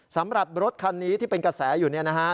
สำหรับรถคันนี้ที่เป็นกระแสอยู่เนี่ยนะฮะ